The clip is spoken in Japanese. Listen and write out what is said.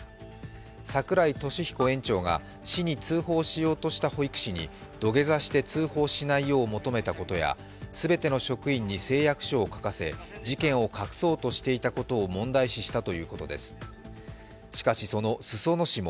櫻井利彦園長が市に通報しようとして保育士に土下座して通報しないよう求めたことや全ての職員に誓約書を書かせ事件を隠そうとしていたことを問題視したということです。